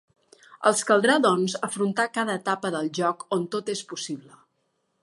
Els caldrà doncs afrontar cada etapa del joc on tot és possible.